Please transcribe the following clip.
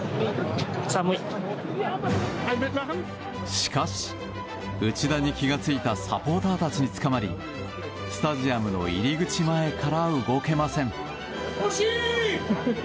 しかし、内田に気が付いたサポーターたちにつかまりスタジアムの入り口前から動けません。